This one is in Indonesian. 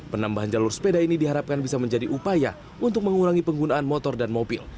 penambahan jalur sepeda ini diharapkan bisa menjadi upaya untuk mengurangi penggunaan motor dan mobil